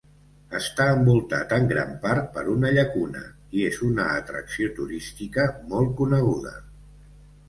Està envoltat en gran part per una llacuna i és una atracció turística molt coneguda.